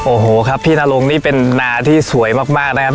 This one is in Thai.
โอ้โหครับพี่นรงนี่เป็นนาที่สวยมากนะครับ